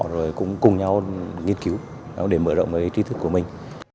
rồi cũng cùng nhau nghiên cứu để mở rộng cái trí thức của mình